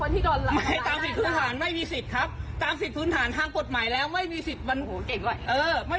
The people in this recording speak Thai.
ตามสิทธิ์พื้นฐานทางกฎหมายแล้วไม่มีสิทธิ์โหเก่งกว่า